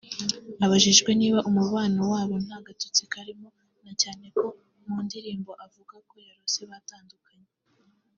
Abajijwe niba umubano wabo nta gatotsi karimo na cyane ko mu ndirimbo avuga ko yarose batandukanye